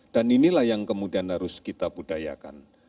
dan inilah yang kemudian harus kita budayakan